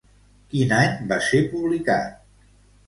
Quin any va ser publicat?